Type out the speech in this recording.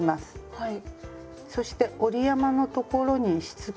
はい。